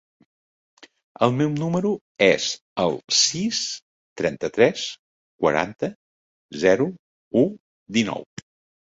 El meu número es el sis, trenta-tres, quaranta, zero, u, dinou.